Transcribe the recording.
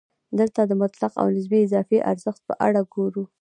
دلته د مطلق او نسبي اضافي ارزښت په اړه ګورو